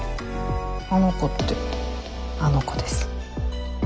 あの子ってあの子です。